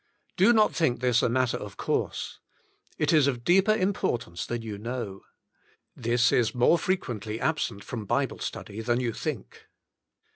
Do not think this a matter of course. It is of deeper importance than you know. This is more fre quently absent from Bible study than you think.